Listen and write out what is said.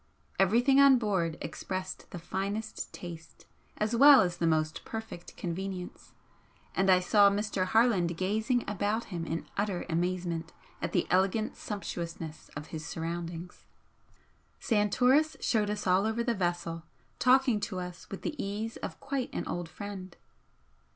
Everything on board expressed the finest taste as well as the most perfect convenience, and I saw Mr. Plarland gazing about him in utter amazement at the elegant sumptuousness of his surroundings. Santoris showed us all over the vessel, talking to us with the ease of quite an old friend.